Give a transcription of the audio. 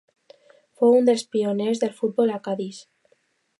Fou un dels pioners del futbol a Cadis.